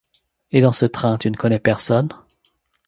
Et dans ce train, tu ne connaissais personne ?